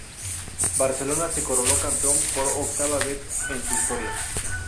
Barcelona se coronó campeón por octava vez en su historia.